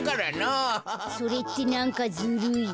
それってなんかずるい。